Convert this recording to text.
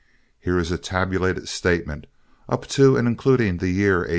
Here is a tabulated statement up to and including the year '83.